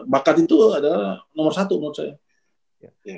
bakat itu adalah nomor satu menurut saya